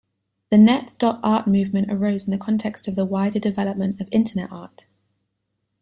The net.art movement arose in the context of the wider development of Internet art.